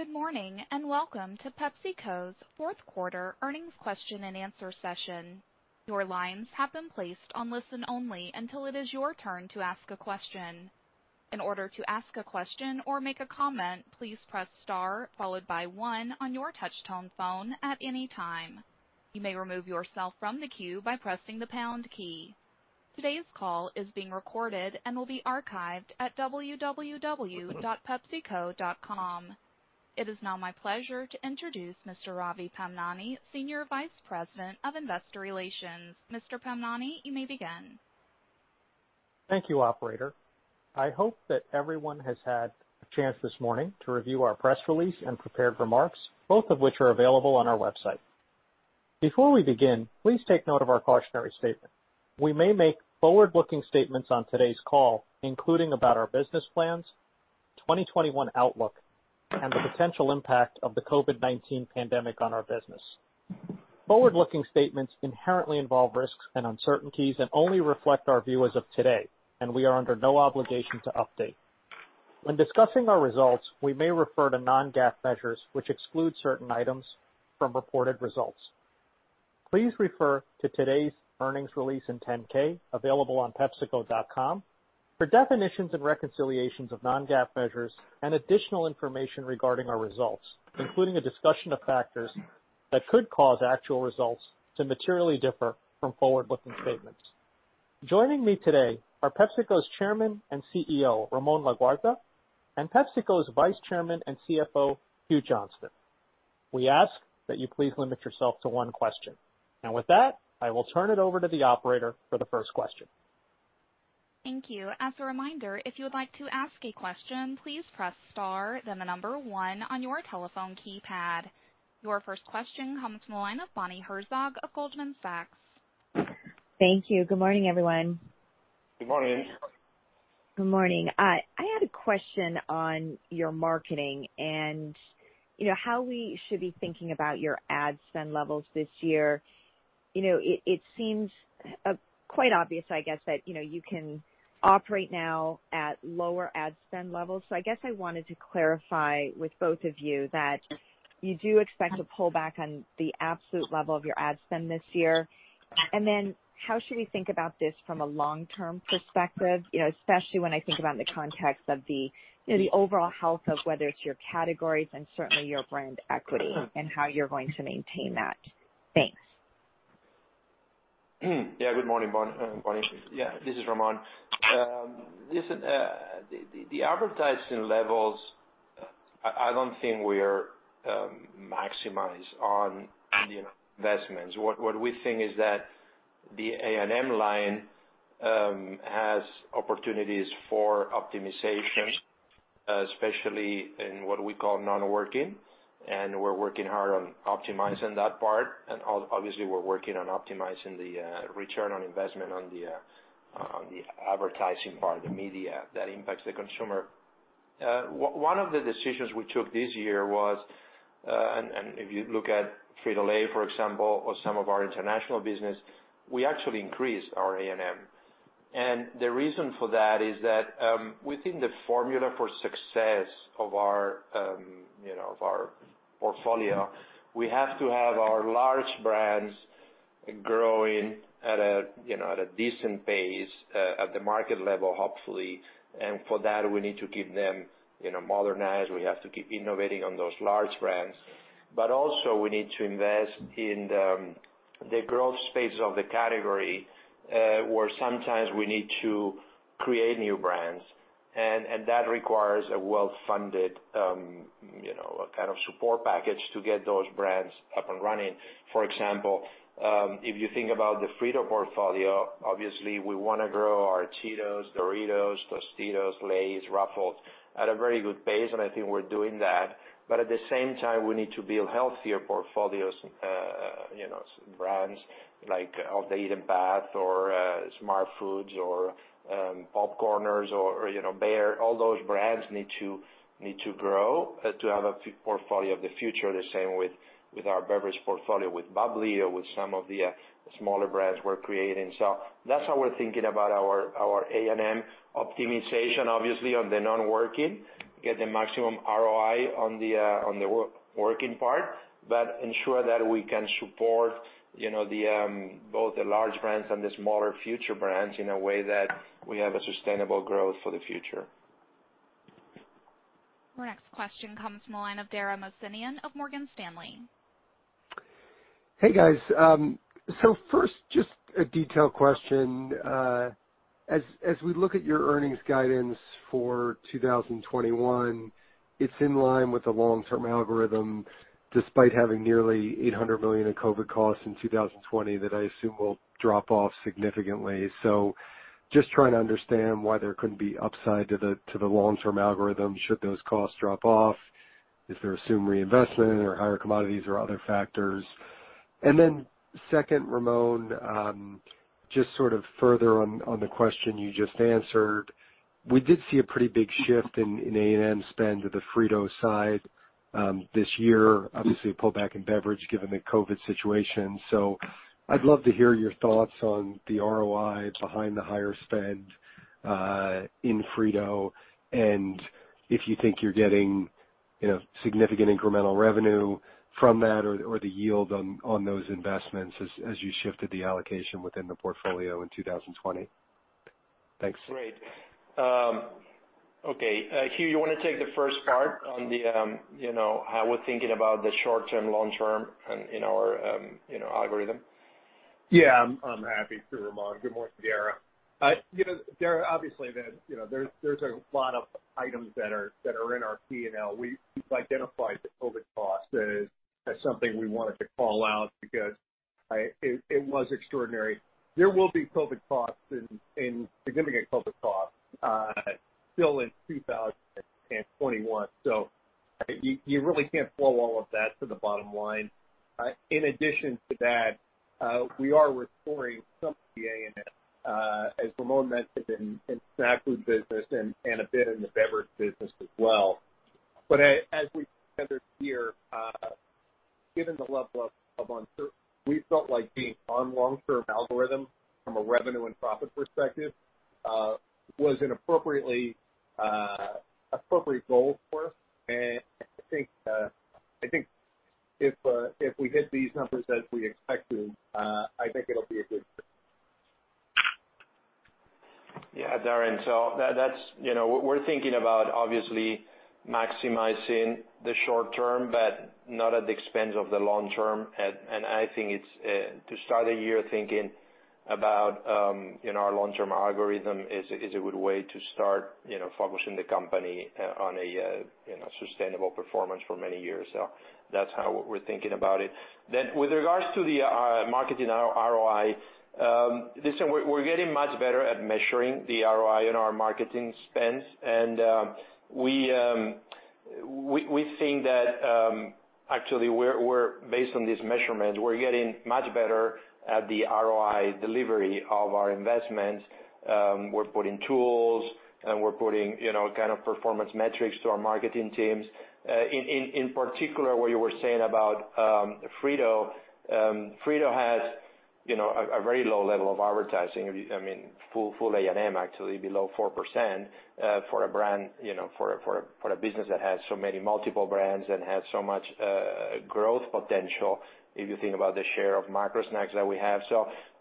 Good morning, and welcome to PepsiCo's fourth quarter earnings question and answer session. Your lines have been placed on listen only until it is your turn to ask a question. In order to ask a question or make a comment, please press star followed by one on your touch-tone phone at any time. You may remove yourself from the queue by pressing the pound key. Today's call is being recorded and will be archived at www.pepsico.com. It is now my pleasure to introduce Mr. Ravi Pamnani, Senior Vice President of Investor Relations. Mr. Pamnani, you may begin. Thank you, operator. I hope that everyone has had a chance this morning to review our press release and prepared remarks, both of which are available on our website. Before we begin, please take note of our cautionary statement. We may make forward-looking statements on today's call, including about our business plans, 2021 outlook, and the potential impact of the COVID-19 pandemic on our business. Forward-looking statements inherently involve risks and uncertainties and only reflect our view as of today, and we are under no obligation to update. When discussing our results, we may refer to non-GAAP measures, which exclude certain items from reported results. Please refer to today's earnings release in 10-K, available on pepsico.com, for definitions and reconciliations of non-GAAP measures and additional information regarding our results, including a discussion of factors that could cause actual results to materially differ from forward-looking statements. Joining me today are PepsiCo's Chairman and CEO, Ramon Laguarta, and PepsiCo's Vice Chairman and CFO, Hugh Johnston. We ask that you please limit yourself to one question. With that, I will turn it over to the operator for the first question. Thank you. As a reminder, if you would like to ask a question, please press star then the number one on your telephone keypad. Your first question comes from the line of Bonnie Herzog of Goldman Sachs. Thank you. Good morning, everyone. Good morning. Good morning. I had a question on your marketing and how we should be thinking about your ad spend levels this year. It seems quite obvious, I guess, that you can operate now at lower ad spend levels. I guess I wanted to clarify with both of you that you do expect to pull back on the absolute level of your ad spend this year. How should we think about this from a long-term perspective, especially when I think about the context of the overall health of whether it's your categories and certainly your brand equity, and how you're going to maintain that? Thanks. Good morning, Bonnie. This is Ramon. The advertising levels, I don't think we are maximized on the investments. What we think is that the A&M line has opportunities for optimization, especially in what we call non-working. We're working hard on optimizing that part. Obviously, we're working on optimizing the return on investment on the advertising part, the media that impacts the consumer. One of the decisions we took this year was, and if you look at Frito-Lay, for example, or some of our international business, we actually increased our A&M. The reason for that is that we think the formula for success of our portfolio, we have to have our large brands growing at a decent pace at the market level, hopefully. For that, we need to keep them modernized. We have to keep innovating on those large brands. Also we need to invest in the growth space of the category, where sometimes we need to create new brands. That requires a well-funded kind of support package to get those brands up and running. For example, if you think about the Frito-Lay portfolio, obviously we want to grow our Cheetos, Doritos, Tostitos, Lay's, Ruffles at a very good pace, and I think we're doing that. At the same time, we need to build healthier portfolios, brands like Off The Eaten Path, or Smartfood, or PopCorners, or Bare. All those brands need to grow to have a portfolio of the future. The same with our beverage portfolio, with bubly or with some of the smaller brands we're creating. That's how we're thinking about our A&M optimization. Obviously on the non-working, get the maximum ROI on the working part, but ensure that we can support both the large brands and the smaller future brands in a way that we have a sustainable growth for the future. Our next question comes from the line of Dara Mohsenian of Morgan Stanley. Hey, guys. First, just a detailed question. As we look at your earnings guidance for 2021, it's in line with the long-term algorithm, despite having nearly $800 million in COVID costs in 2020 that I assume will drop off significantly. Just trying to understand why there couldn't be upside to the long-term algorithm should those costs drop off, if there's assumed reinvestment or higher commodities or other factors. Second, Ramon, just sort of further on the question you just answered, we did see a pretty big shift in A&M spend to the Frito-Lay side this year, obviously a pullback in beverage given the COVID situation. I'd love to hear your thoughts on the ROI behind the higher spend in Frito-Lay, and if you think you're getting significant incremental revenue from that or the yield on those investments as you shifted the allocation within the portfolio in 2020? Thanks. Great. Okay Hugh, you want to take the first part on how we're thinking about the short-term, long-term in our algorithm? Yeah. I'm happy to, Ramon. Good morning, Dara. Dara, obviously, there's a lot of items that are in our P&L. We've identified the COVID costs as something we wanted to call out because it was extraordinary. There will be significant COVID costs still in 2021. You really can't flow all of that to the bottom line. In addition to that, we are restoring some of the A&M, as Ramon mentioned, in snack food business and a bit in the beverage business as well. As we gathered here, given the level of uncertainty, we felt like being on long-term algorithm from a revenue and profit perspective, was an appropriate goal for us. I think if we hit these numbers as we expect to, I think it will be a good. Yeah, Dara. We're thinking about obviously maximizing the short-term, but not at the expense of the long-term. I think to start a year thinking about our long-term algorithm is a good way to start focusing the company on a sustainable performance for many years. That's how we're thinking about it. With regards to the marketing ROI, listen, we're getting much better at measuring the ROI in our marketing spends. We think that, actually, based on these measurements, we're getting much better at the ROI delivery of our investments. We're putting tools and we're putting kind of performance metrics to our marketing teams. In particular, what you were saying about Frito-Lay. Frito-Lay has a very low level of advertising. Full A&M actually below 4%, for a business that has so many multiple brands and has so much growth potential, if you think about the share of micro snacks that we have.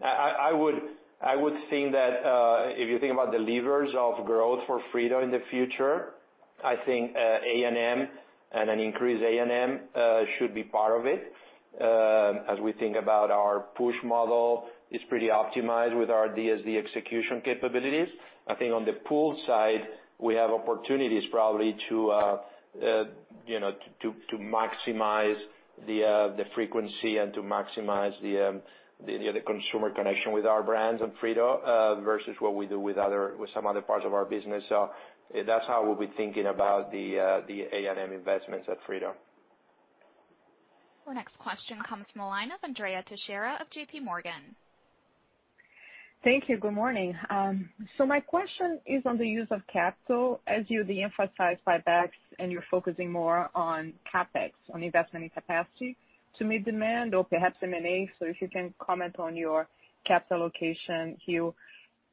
I would think that, if you think about the levers of growth for Frito-Lay in the future, I think A&M and an increased A&M should be part of it. As we think about our push model, it's pretty optimized with our DSD execution capabilities. I think on the pull side, we have opportunities probably to maximize the frequency and to maximize the other consumer connection with our brands and Frito-Lay, versus what we do with some other parts of our business. That's how we'll be thinking about the A&M investments at Frito-Lay. Our next question comes from the line of Andrea Teixeira of JPMorgan. Thank you. Good morning. My question is on the use of capital as you de-emphasize buybacks, and you're focusing more on CapEx, on investment in capacity to meet demand or perhaps M&A. If you can comment on your capital allocation, Hugh.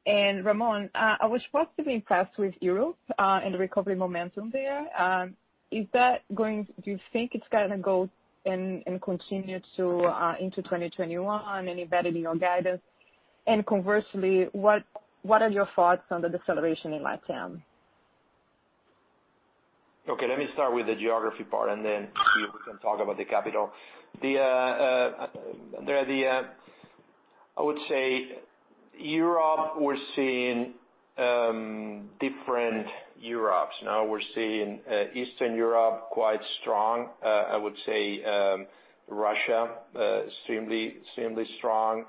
Ramon, I was positively impressed with Europe, and the recovery momentum there. Do you think it's going to go and continue into 2021 and embedded in your guidance? Conversely, what are your thoughts on the deceleration in LATAM? Let me start with the geography part, and then Hugh can talk about the capital. Andrea, I would say Europe, we're seeing different Europes now. We're seeing Eastern Europe quite strong. I would say Russia extremely strong.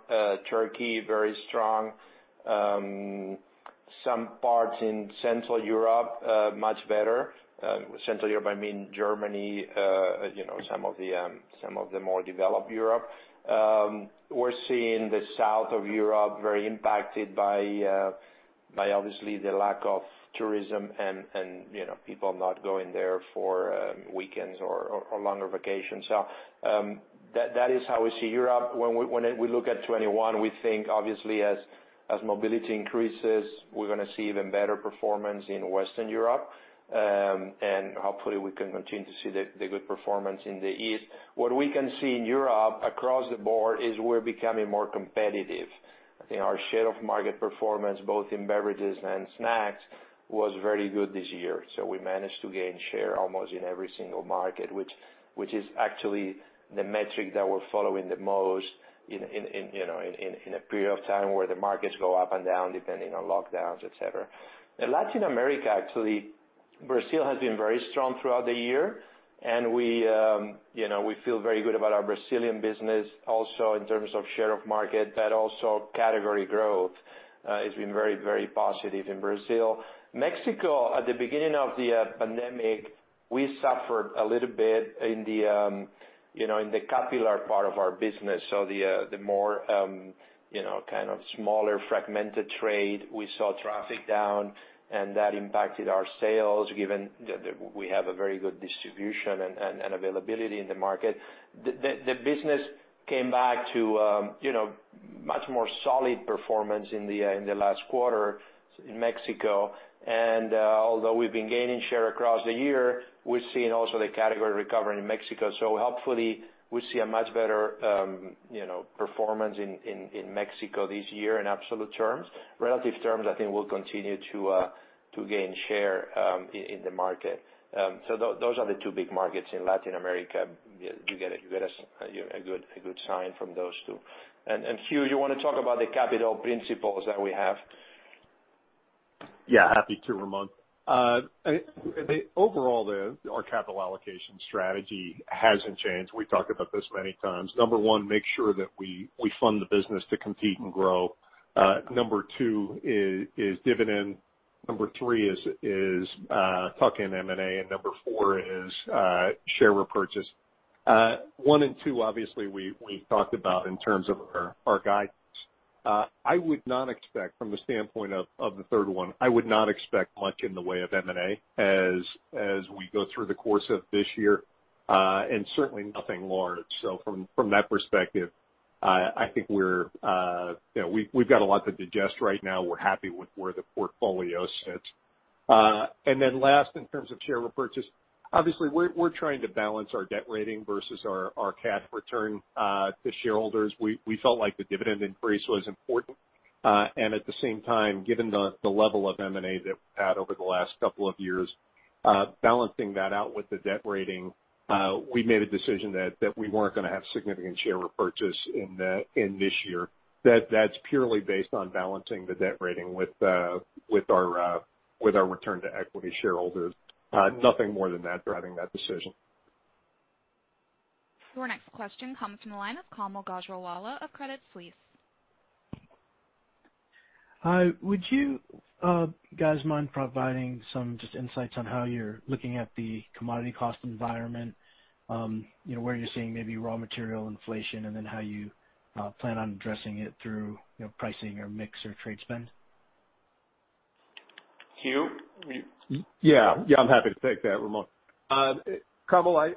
Turkey, very strong. Some parts in Central Europe are much better. Central Europe, I mean, Germany, some of the more developed Europe. We're seeing the south of Europe very impacted by obviously the lack of tourism and people not going there for weekends or longer vacations. That is how we see Europe. When we look at 2021, we think obviously as mobility increases, we're going to see even better performance in Western Europe. Hopefully we can continue to see the good performance in the East. What we can see in Europe across the board is we're becoming more competitive. I think our share of market performance, both in beverages and snacks, was very good this year. We managed to gain share almost in every single market, which is actually the metric that we're following the most in a period of time where the markets go up and down depending on lockdowns, et cetera. In Latin America, actually, Brazil has been very strong throughout the year, and we feel very good about our Brazilian business also in terms of share of market, but also category growth has been very, very positive in Brazil. Mexico, at the beginning of the pandemic, we suffered a little bit in the capillary part of our business. The more kind of smaller fragmented trade, we saw traffic down, and that impacted our sales, given that we have a very good distribution and availability in the market. The business came back to, you know, much more solid performance in the last quarter in Mexico. Although we've been gaining share across the year, we've seen also the category recovering in Mexico. Hopefully we see a much better performance in Mexico this year in absolute terms. Relative terms, I think we'll continue to gain share in the market. Those are the two big markets in Latin America. You get a good sign from those two. Hugh, you want to talk about the capital principles that we have? Yeah, happy to, Ramon. Overall, our capital allocation strategy hasn't changed. We talked about this many times. Number one, make sure that we fund the business to compete and grow. Number two is dividend, number three is tuck-in M&A, and number four is share repurchase. One and two, obviously, we talked about in terms of our guidance. From the standpoint of the third one, I would not expect much in the way of M&A as we go through the course of this year, and certainly nothing large. From that perspective, I think we've got a lot to digest right now. We're happy with where the portfolio sits. Last, in terms of share repurchase, obviously we're trying to balance our debt rating versus our cash return to shareholders. We felt like the dividend increase was important. At the same time, given the level of M&A that we've had over the last couple of years, balancing that out with the debt rating, we made a decision that we weren't going to have significant share repurchase in this year. That's purely based on balancing the debt rating with our return to equity shareholders. Nothing more than that driving that decision. Your next question comes from the line of Kaumil Gajrawala of Credit Suisse. Hi. Would you guys mind providing some just insights on how you're looking at the commodity cost environment, where you're seeing maybe raw material inflation, and then how you plan on addressing it through pricing or mix or trade spend? Hugh? Yeah. I'm happy to take that, Ramon. Kaumil,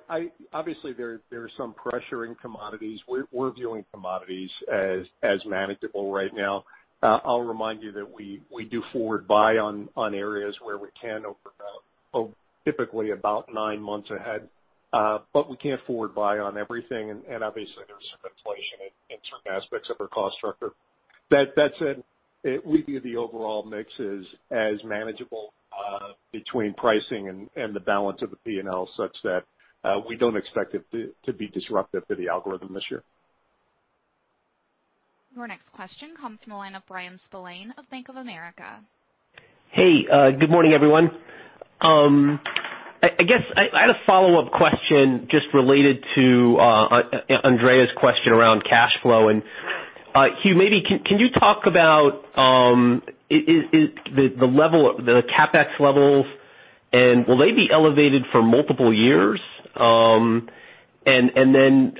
obviously, there is some pressure in commodities. We're viewing commodities as manageable right now. I'll remind you that we do forward buy on areas where we can over typically about nine months ahead. We can't forward buy on everything, and obviously there's some inflation in certain aspects of our cost structure. That said, we view the overall mix as manageable between pricing and the balance of the P&L such that we don't expect it to be disruptive to the algorithm this year. Your next question comes from the line of Bryan Spillane of Bank of America. Hey, good morning, everyone. I guess I had a follow-up question just related to Andrea's question around cash flow. Hugh, maybe can you talk about the CapEx levels, and will they be elevated for multiple years? Then,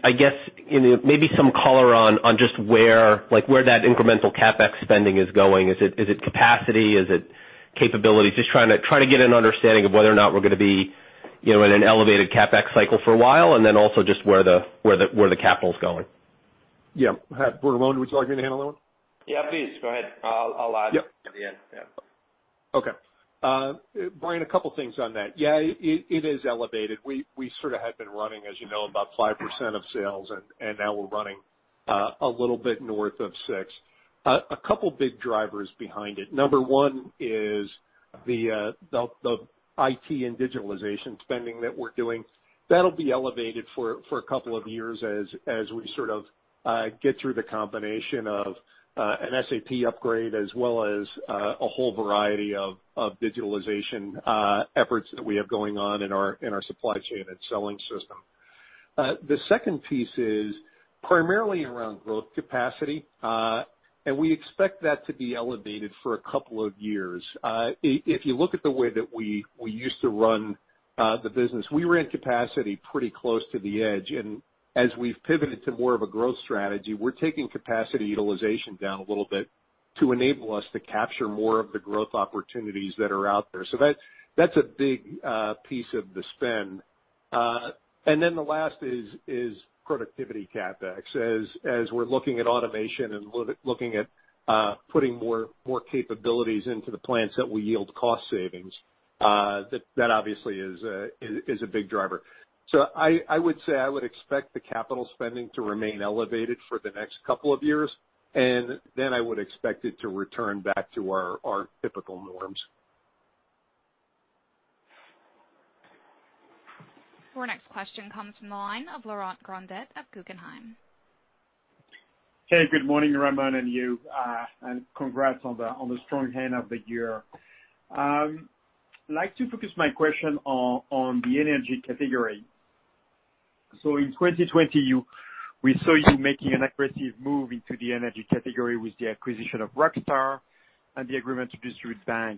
I guess, maybe some color on just where that incremental CapEx spending is going. Is it capacity? Is it capabilities? Just trying to get an understanding of whether or not we're going to be in an elevated CapEx cycle for a while, and then also just where the capital's going. Yeah. Ramon, would you like me to handle that one? Yeah, please go ahead. I'll add at the end, yeah. Okay. Bryan, a couple things on that. Yeah, it is elevated. We sort of had been running, as you know, about 5% of sales, and now we're running a little bit north of 6%. A couple big drivers behind it. Number one is the IT and digitalization spending that we're doing. That'll be elevated for a couple of years as we sort of get through the combination of an SAP upgrade as well as a whole variety of digitalization efforts that we have going on in our supply chain and selling system. The second piece is primarily around growth capacity. We expect that to be elevated for a couple of years. If you look at the way that we used to run the business, we ran capacity pretty close to the edge, and as we've pivoted to more of a growth strategy, we're taking capacity utilization down a little bit to enable us to capture more of the growth opportunities that are out there. That's a big piece of the spend. The last is productivity CapEx. As we're looking at automation and looking at putting more capabilities into the plants that will yield cost savings, that obviously is a big driver. I would say I would expect the capital spending to remain elevated for the next couple of years, and then I would expect it to return back to our typical norms. Your next question comes from the line of Laurent Grandet of Guggenheim. Hey, good morning, Ramon and Hugh, and congrats on the strong end of the year. I'd like to focus my question on the energy category. In 2020, we saw you making an aggressive move into the energy category with the acquisition of Rockstar and the agreement to distribute Bang.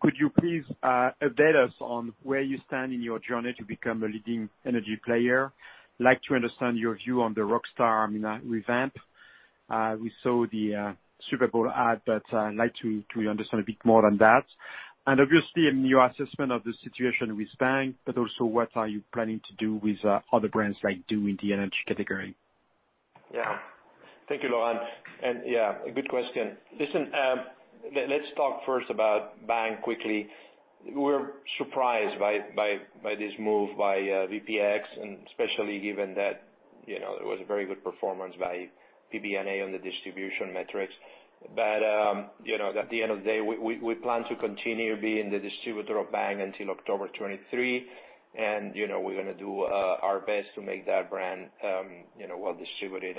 Could you please update us on where you stand in your journey to become a leading energy player? Like to understand your view on the Rockstar revamp. We saw the Super Bowl ad, but I'd like to understand a bit more on that. Obviously, in your assessment of the situation with Bang, but also what are you planning to do with other brands like Dew in the energy category? Thank you, Laurent. A good question. Listen, let's talk first about Bang quickly. We're surprised by this move by VPX, and especially given that it was a very good performance by PBNA on the distribution metrics. At the end of the day, we plan to continue being the distributor of Bang until October 2023, and we're going to do our best to make that brand well-distributed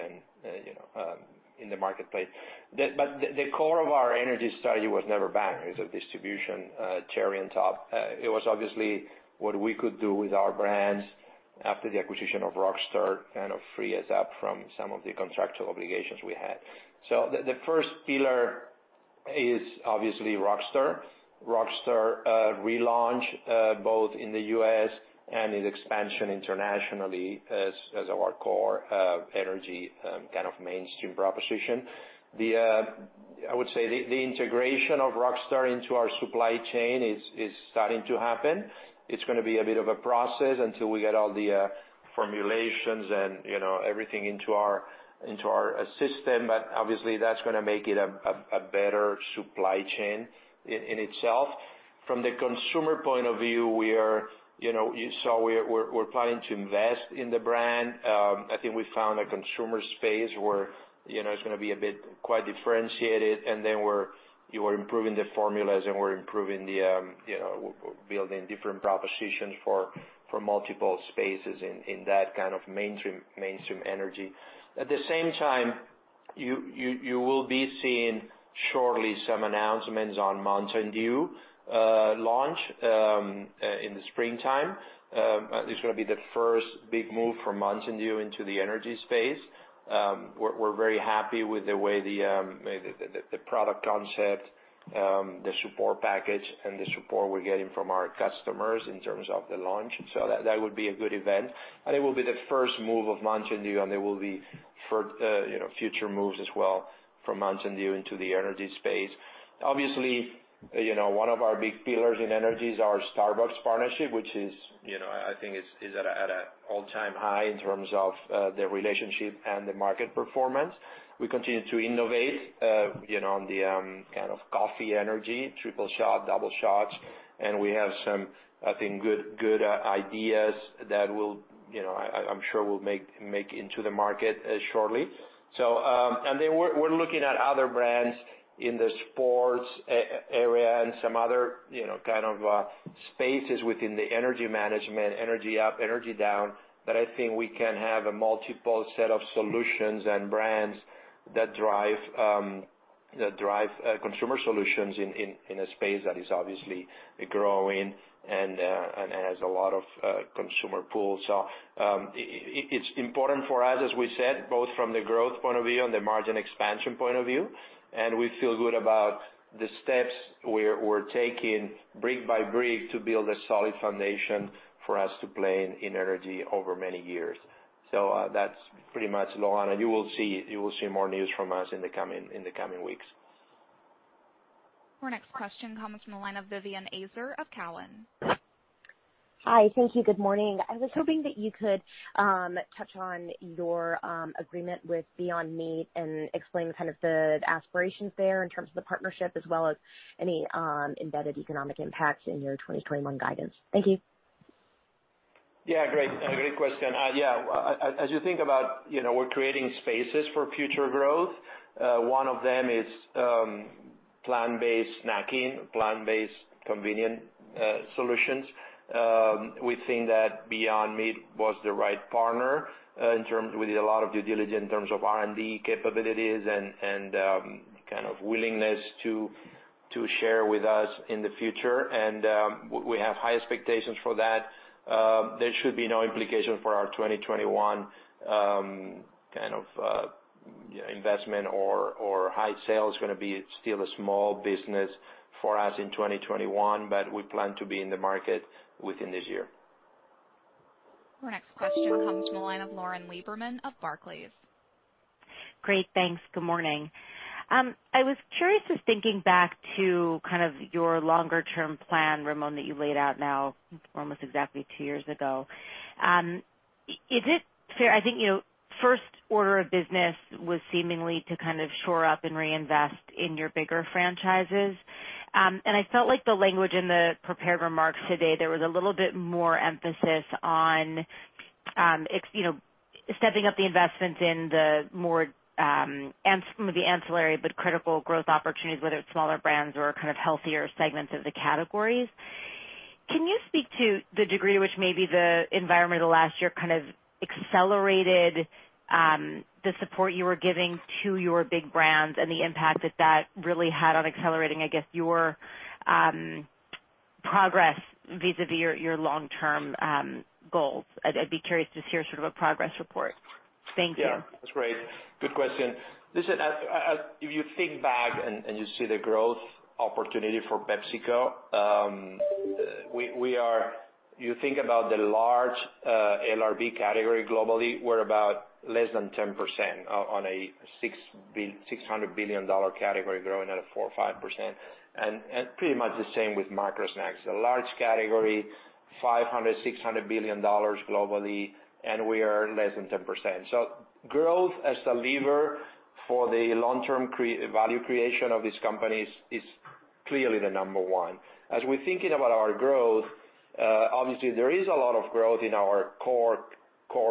in the marketplace. The core of our energy strategy was never Bang. It's a distribution cherry on top. It was obviously what we could do with our brands after the acquisition of Rockstar, kind of free us up from some of the contractual obligations we had. The first pillar is obviously Rockstar. Rockstar relaunch, both in the U.S. and in expansion internationally as our core energy kind of mainstream proposition. I would say, the integration of Rockstar into our supply chain is starting to happen. It's going to be a bit of a process until we get all the formulations and everything into our system. Obviously, that's going to make it a better supply chain in itself. From the consumer point of view, we're planning to invest in the brand. I think we found a consumer space where it's going to be a bit quite differentiated, and then we're improving the formulas, and we're building different propositions for multiple spaces in that kind of mainstream energy. At the same time, you will be seeing shortly some announcements on Mountain Dew launch in the springtime. It's going to be the first big move for Mountain Dew into the energy space. We're very happy with the way the product concept, the support package, and the support we're getting from our customers in terms of the launch. That would be a good event, and it will be the first move of Mountain Dew, and there will be future moves as well from Mountain Dew into the energy space. Obviously, one of our big pillars in energy is our Starbucks partnership, which is, I think, is at an all-time high in terms of the relationship and the market performance. We continue to innovate on the kind of coffee energy, Tripleshot, Doubleshot shots. And we have some, I think, good ideas that I'm sure will make it into the market shortly. We're looking at other brands in the sports area and some other kind of spaces within the energy management, energy up, energy down, that I think we can have a multiple set of solutions and brands that drive consumer solutions in a space that is obviously growing and has a lot of consumer [pull]. It's important for us, as we said, both from the growth point of view and the margin expansion point of view, and we feel good about the steps we're taking brick by brick to build a solid foundation for us to play in energy over many years. That's pretty much, Laurent, and you will see more news from us in the coming weeks. Our next question comes from the line of Vivien Azer of Cowen. Hi. Thank you. Good morning. I was hoping that you could touch on your agreement with Beyond Meat and explain kind of the aspirations there in terms of the partnership, as well as any embedded economic impacts in your 2021 guidance. Thank you. Yeah, great question. As you think about we're creating spaces for future growth, one of them is plant-based snacking, plant-based convenient solutions. We think that Beyond Meat was the right partner. We did a lot of due diligence in terms of R&D capabilities and kind of willingness to share with us in the future. We have high expectations for that. There should be no implication for our 2021 kind of investment or high sales. It's going to be still a small business for us in 2021, but we plan to be in the market within this year. Our next question comes from the line of Lauren Lieberman of Barclays. Great. Thanks. Good morning. I was curious, just thinking back to kind of your longer term plan, Ramon, that you laid out now almost exactly two years ago. Is it fair, I think, first order of business was seemingly to kind of shore up and reinvest in your bigger franchises. I felt like the language in the prepared remarks today, there was a little bit more emphasis on stepping up the investments in the more, some of the ancillary but critical growth opportunities, whether it's smaller brands or kind of healthier segments of the categories. Can you speak to the degree to which maybe the environment of the last year kind of accelerated the support you were giving to your big brands and the impact that that really had on accelerating, I guess, your progress vis-à-vis your long-term goals? I'd be curious to hear sort of a progress report. Thank you. Yeah. That's great. Good question. Listen, if you think back and you see the growth opportunity for PepsiCo, you think about the large LRB category globally, we're about less than 10% on a $600 billion category growing at a 4% or 5%. Pretty much the same with micro snacks. A large category, $500 billion-$600 billion globally, and we are less than 10%. Growth as a lever for the long-term value creation of these companies is clearly the number one. As we're thinking about our growth, obviously there is a lot of growth in our core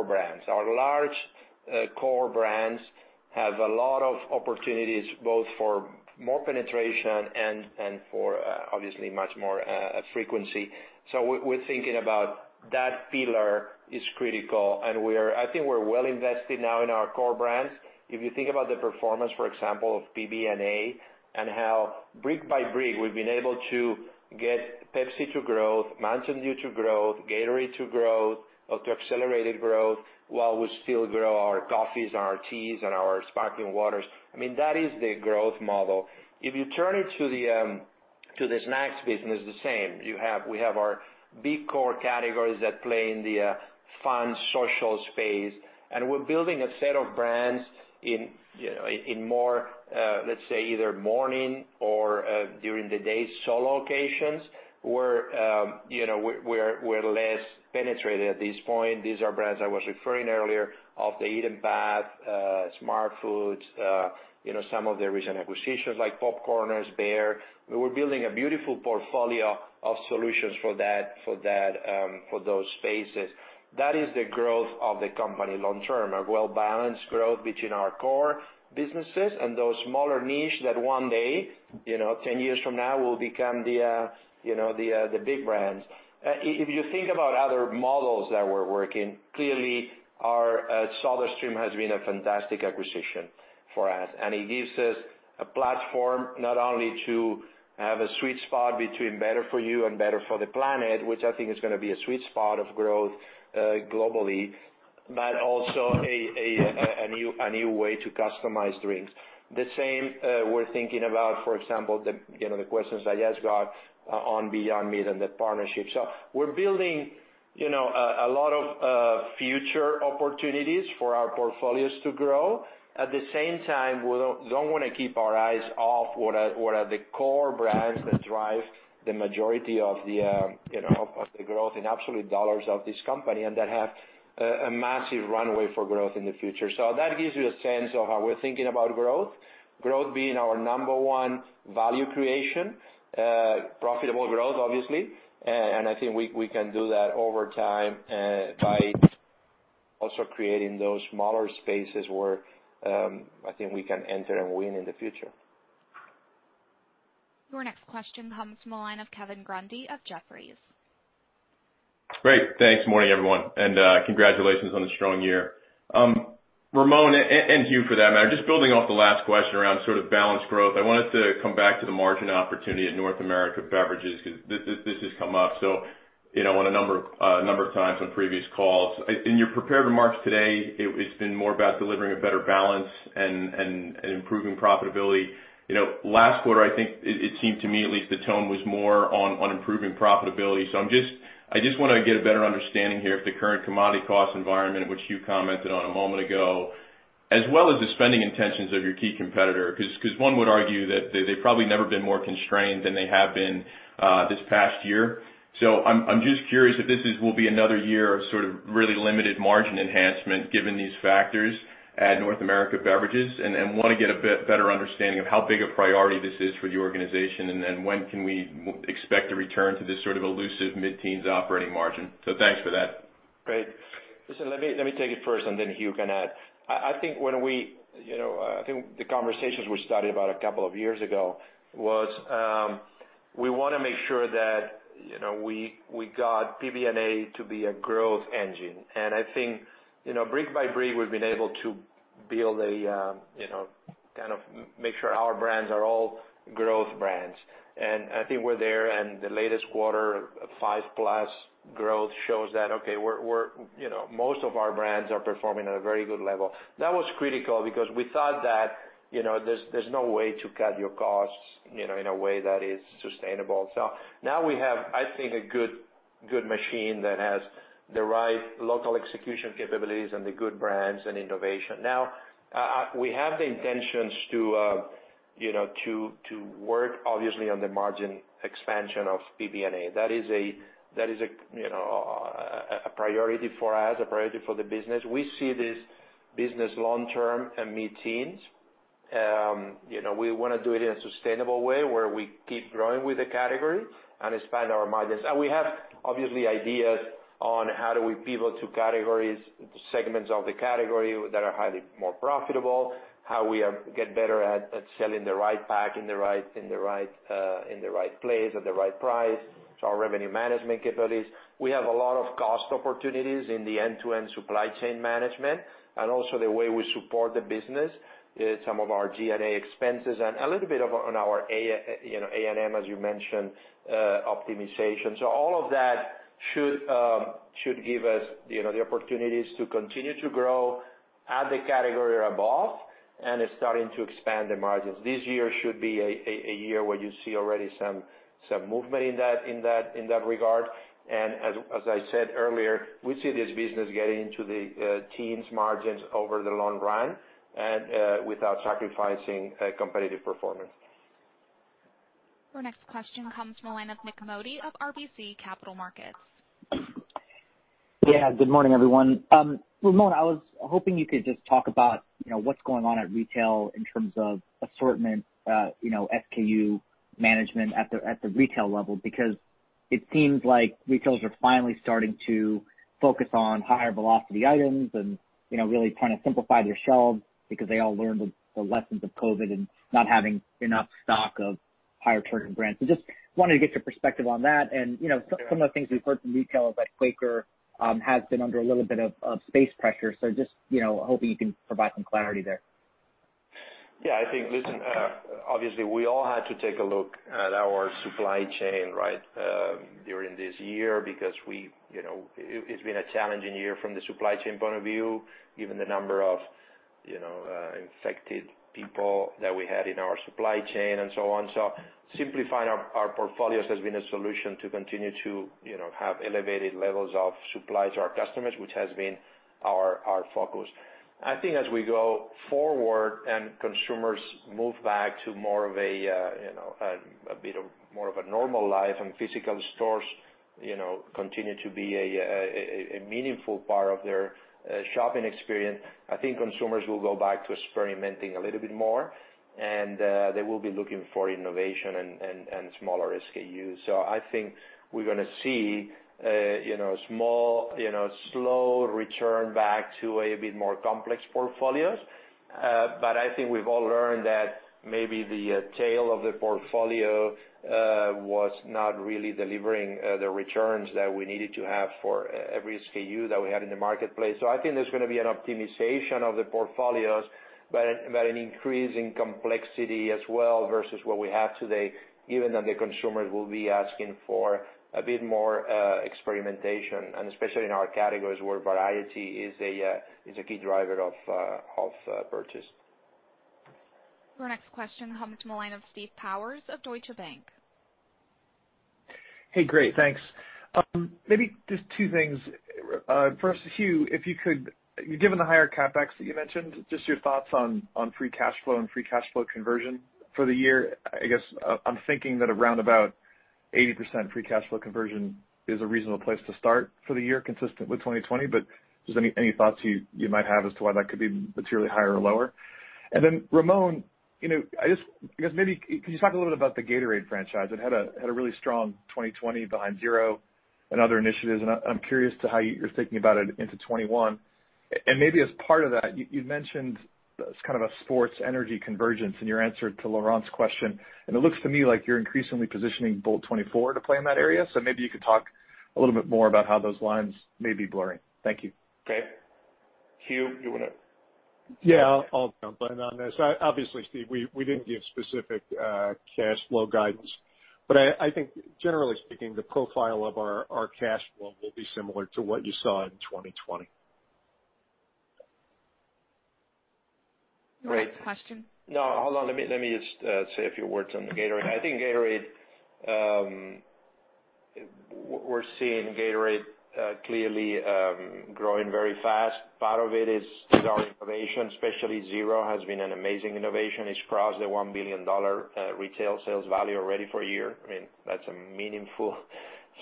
brands. Our large core brands have a lot of opportunities both for more penetration and for, obviously, much more frequency. We're thinking about that pillar is critical, and I think we're well invested now in our core brands. If you think about the performance, for example, of PBNA, and how brick by brick, we've been able to get Pepsi to growth, Mountain Dew to growth, Gatorade to growth or to accelerated growth, while we still grow our coffees and our teas and our sparkling waters. That is the growth model. If you turn it to the snacks business, the same. We have our big core categories that play in the fun social space, and we're building a set of brands in more, let's say, either morning or during the day solo occasions where we're less penetrated at this point. These are brands I was referring earlier of Off The Eaten Path, Smartfood, some of the recent acquisitions like PopCorners, Bare. We're building a beautiful portfolio of solutions for those spaces. That is the growth of the company long term. A well-balanced growth between our core businesses and those smaller niche that one day, 10 years from now, will become the big brands. If you think about other models that we're working, clearly our SodaStream has been a fantastic acquisition for us. It gives us a platform not only to have a sweet spot between better for you and better for the planet, which I think is going to be a sweet spot of growth globally, but also a new way to customize drinks. The same we're thinking about, for example, the questions I just got on Beyond Meat and that partnership. We're building a lot of future opportunities for our portfolios to grow. At the same time, we don't want to keep our eyes off what are the core brands that drive the majority of the growth in absolute dollars of this company and that have a massive runway for growth in the future. That gives you a sense of how we're thinking about growth being our number one value creation, profitable growth, obviously. I think we can do that over time by also creating those smaller spaces where I think we can enter and win in the future. Your next question comes from the line of Kevin Grundy of Jefferies. Great. Thanks. Morning, everyone, and congratulations on the strong year. Ramon and Hugh for that matter, just building off the last question around sort of balanced growth. I wanted to come back to the margin opportunity at North America Beverages because this has come up, so on a number of times on previous calls. In your prepared remarks today, it's been more about delivering a better balance and improving profitability. Last quarter, I think it seemed to me at least the tone was more on improving profitability. I just want to get a better understanding here if the current commodity cost environment, which you commented on a moment ago, as well as the spending intentions of your key competitor, because one would argue that they've probably never been more constrained than they have been this past year. I'm just curious if this will be another year of sort of really limited margin enhancement given these factors at North America Beverages and want to get a bit better understanding of how big a priority this is for the organization, and then when can we expect a return to this sort of elusive mid-teens operating margin? Thanks for that. Great. Listen, let me take it first and then Hugh can add. I think the conversations we started about a couple of years ago was, we want to make sure that we got PBNA to be a growth engine. I think, brick by brick, we've been able to build, make sure our brands are all growth brands. I think we're there and the latest quarter, five-plus growth shows that, okay, most of our brands are performing at a very good level. That was critical because we thought that there's no way to cut your costs in a way that is sustainable. Now we have, I think, a good machine that has the right local execution capabilities and the good brands and innovation. Now, we have the intentions to work obviously on the margin expansion of PBNA. That is a priority for us, a priority for the business. We see this business long term and mid-teens. We want to do it in a sustainable way where we keep growing with the category and expand our margins. We have obviously ideas on how do we pivot to categories, segments of the category that are highly more profitable, how we get better at selling the right pack in the right place at the right price. Our revenue management capabilities. We have a lot of cost opportunities in the end-to-end supply chain management, and also the way we support the business is some of our G&A expenses and a little bit on our A&M, as you mentioned, optimization. All of that should give us the opportunities to continue to grow at the category or above and starting to expand the margins. This year should be a year where you see already some movement in that regard. As I said earlier, we see this business getting into the teens margins over the long run and without sacrificing competitive performance. Your next question comes from the line of Nik Modi of RBC Capital Markets. Good morning, everyone. Ramon, I was hoping you could just talk about what's going on at retail in terms of assortment, SKU management at the retail level, because it seems like retails are finally starting to focus on higher velocity items and really trying to simplify their shelves because they all learned the lessons of COVID-19 and not having enough stock of higher turning brands. Just wanted to get your perspective on that. Some of the things we've heard from retailers like Quaker, has been under a little bit of space pressure. Just hoping you can provide some clarity there. I think, listen, obviously we all had to take a look at our supply chain during this year because it's been a challenging year from the supply chain point of view, given the number of infected people that we had in our supply chain and so on. Simplifying our portfolios has been a solution to continue to have elevated levels of supply to our customers, which has been our focus. I think as we go forward and consumers move back to more of a normal life and physical stores continue to be a meaningful part of their shopping experience, I think consumers will go back to experimenting a little bit more, and they will be looking for innovation and smaller SKUs. I think we're going to see slow return back to a bit more complex portfolios. I think we've all learned that maybe the tail of the portfolio was not really delivering the returns that we needed to have for every SKU that we had in the marketplace. I think there's going to be an optimization of the portfolios, but an increase in complexity as well versus what we have today, given that the consumers will be asking for a bit more experimentation, and especially in our categories where variety is a key driver of purchase. Your next question comes from the line of Steve Powers of Deutsche Bank. Hey, great, thanks. Maybe just two things. First, Hugh, given the higher CapEx that you mentioned, just your thoughts on free cash flow and free cash flow conversion for the year. I guess I'm thinking that around about 80% free cash flow conversion is a reasonable place to start for the year, consistent with 2020. Just any thoughts you might have as to why that could be materially higher or lower? Then Ramon, could you talk a little bit about the Gatorade franchise? It had a really strong 2020 behind Zero and other initiatives, and I'm curious to how you're thinking about it into 2021. Maybe as part of that, you mentioned kind of a sports energy convergence in your answer to Laurent's question, and it looks to me like you're increasingly positioning BOLT24 to play in that area. Maybe you could talk a little bit more about how those lines may be blurring. Thank you. Okay. Hugh. Yeah, I'll jump in on this. Obviously, Steve, we didn't give specific cash flow guidance, but I think generally speaking, the profile of our cash flow will be similar to what you saw in 2020. Your next question. No, hold on. Let me just say a few words on the Gatorade. I think we're seeing Gatorade clearly growing very fast. Part of it is our innovation, especially Zero has been an amazing innovation. It's crossed the $1 billion retail sales value already for a year, and that's a meaningful,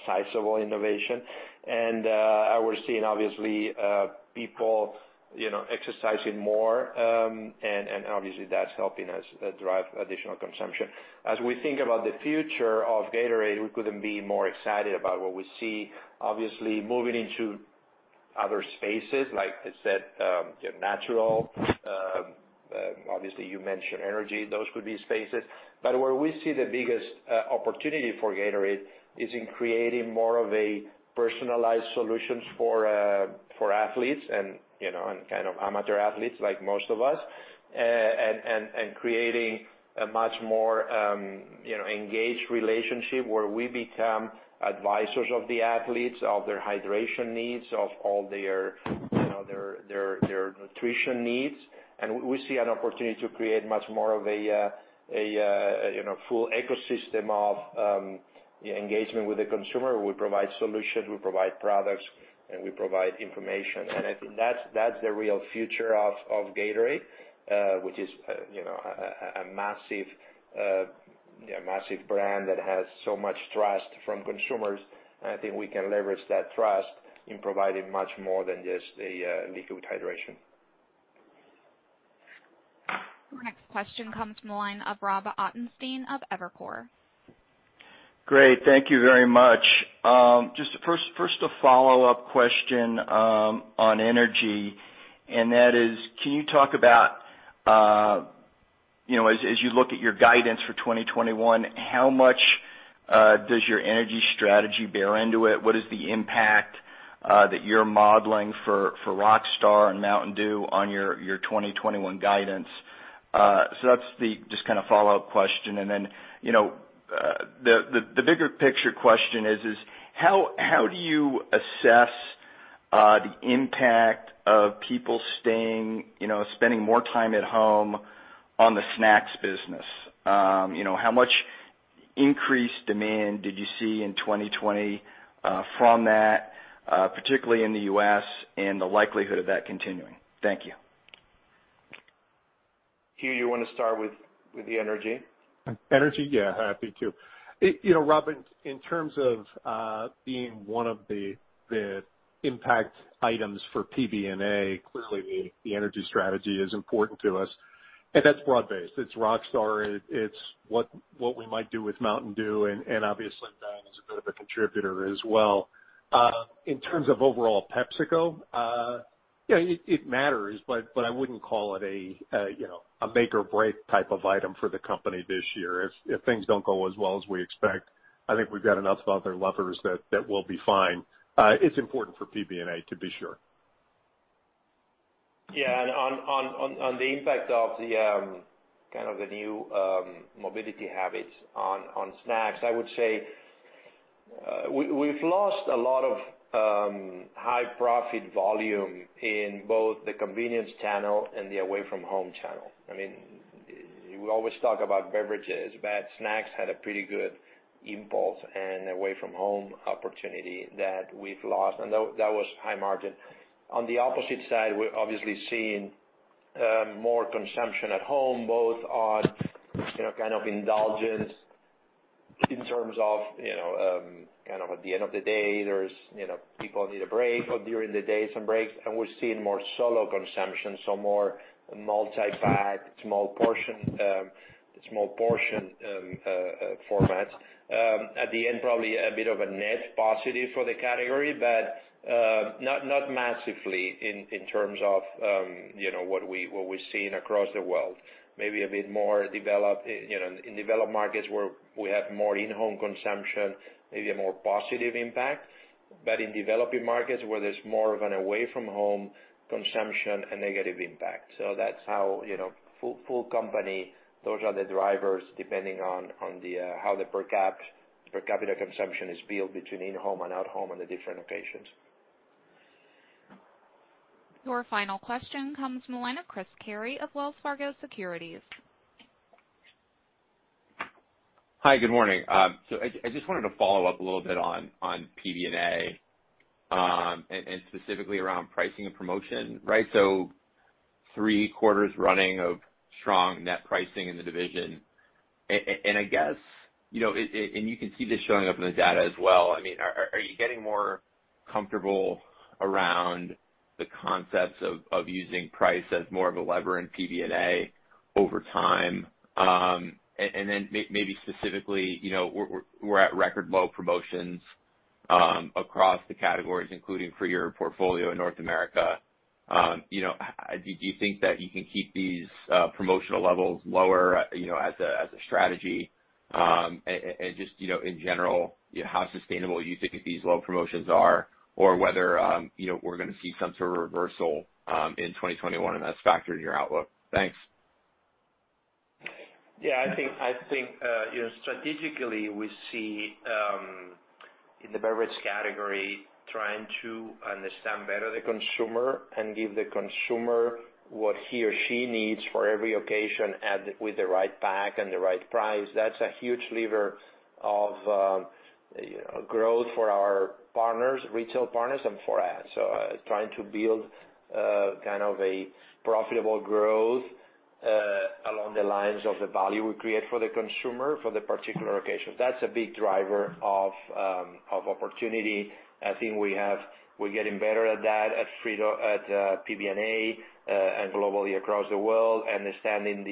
sizable innovation. We're seeing, obviously, people exercising more, and obviously that's helping us drive additional consumption. As we think about the future of Gatorade, we couldn't be more excited about what we see. Obviously, moving into other spaces, like I said, the natural. Obviously, you mentioned energy. Those could be spaces. Where we see the biggest opportunity for Gatorade is in creating more of a personalized solutions for athletes and kind of amateur athletes like most of us, and creating a much more engaged relationship where we become advisors of the athletes, of their hydration needs, of all their nutrition needs. We see an opportunity to create much more of a full ecosystem of engagement with the consumer. We provide solutions, we provide products, and we provide information. I think that's the real future of Gatorade, which is a massive brand that has so much trust from consumers. I think we can leverage that trust in providing much more than just the liquid hydration. Your next question comes from the line of Robert Ottenstein of Evercore. Great. Thank you very much. Just first a follow-up question on energy, and that is, can you talk about, as you look at your guidance for 2021, how much does your energy strategy bear into it? What is the impact that you're modeling for Rockstar and Mountain Dew on your 2021 guidance? That's just kind of follow-up question. The bigger picture question is, how do you assess the impact of people spending more time at home on the snacks business? How much increased demand did you see in 2020 from that, particularly in the U.S., and the likelihood of that continuing? Thank you. Hugh, you want to start with the energy? Energy? Yeah, happy to. Robert, in terms of being one of the impact items for PBNA, clearly the energy strategy is important to us, and that's broad-based. It's Rockstar. It's what we might do with Mountain Dew, and obviously Diet is a bit of a contributor as well. In terms of overall PepsiCo, it matters, but I wouldn't call it a make or break type of item for the company this year. If things don't go as well as we expect, I think we've got enough other levers that we'll be fine. It's important for PBNA, to be sure. On the impact of the new mobility habits on snacks, I would say we've lost a lot of high profit volume in both the convenience channel and the away from home channel. We always talk about beverages, but snacks had a pretty good impulse and away from home opportunity that we've lost, and that was high margin. On the opposite side, we're obviously seeing more consumption at home, both on kind of indulgence in terms of at the end of the day, people need a break, or during the day, some breaks, and we're seeing more solo consumption, so more multi-pack, small portion formats. At the end, probably a bit of a net positive for the category, but not massively in terms of what we're seeing across the world. Maybe a bit more in developed markets where we have more in-home consumption, maybe a more positive impact. In developing markets where there's more of an away from home consumption, a negative impact. That's how full company, those are the drivers depending on how the per capita consumption is built between in-home and out-home on the different occasions. Your final question comes from the line of Chris Carey of Wells Fargo Securities. Hi, good morning. I just wanted to follow up a little bit on PBNA, and specifically around pricing and promotion. Three quarters running of strong net pricing in the division, and you can see this showing up in the data as well. Are you getting more comfortable around the concepts of using price as more of a lever in PBNA over time? Then maybe specifically, we're at record low promotions across the categories, including for your portfolio in North America. Do you think that you can keep these promotional levels lower as a strategy? Just in general, how sustainable do you think these low promotions are or whether we're going to see some sort of reversal in 2021, and that's factored in your outlook? Thanks. Yeah, I think strategically we see in the beverage category trying to understand better the consumer and give the consumer what he or she needs for every occasion and with the right pack and the right price. That's a huge lever of growth for our partners, retail partners, and for us. Trying to build a profitable growth along the lines of the value we create for the consumer for the particular occasion, that's a big driver of opportunity. I think we're getting better at that at Frito-Lay, at PBNA, and globally across the world, understanding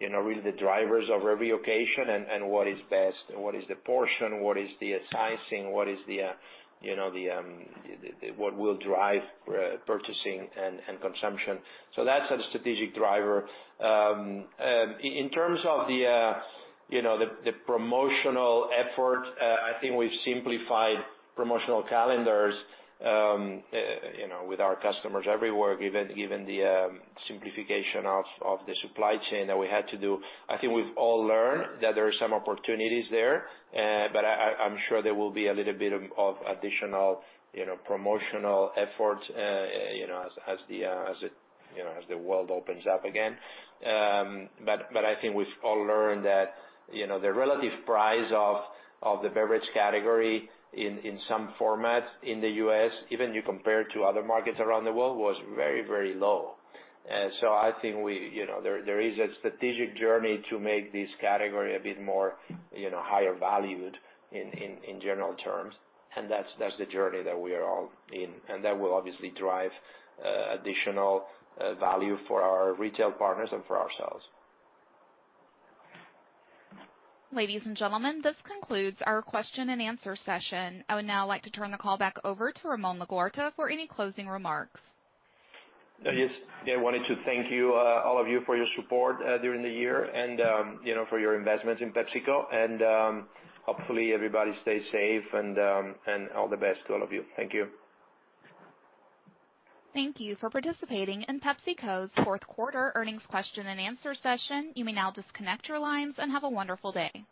really the drivers of every occasion and what is best, and what is the portion, what is the sizing, what will drive purchasing and consumption. That's a strategic driver. In terms of the promotional effort, I think we've simplified promotional calendars with our customers everywhere, given the simplification of the supply chain that we had to do. I think we've all learned that there are some opportunities there, but I'm sure there will be a little bit of additional promotional efforts as the world opens up again. I think we've all learned that the relative price of the beverage category in some formats in the U.S., even you compare to other markets around the world, was very low. I think there is a strategic journey to make this category a bit more higher valued in general terms, and that's the journey that we are all in, and that will obviously drive additional value for our retail partners and for ourselves. Ladies and gentlemen, this concludes our question and answer session. I would now like to turn the call back over to Ramon Laguarta for any closing remarks. Yes. I wanted to thank all of you for your support during the year and for your investment in PepsiCo. Hopefully everybody stays safe, and all the best to all of you. Thank you. Thank you for participating in PepsiCo's fourth quarter earnings question and answer session. You may now disconnect your lines and have a wonderful day.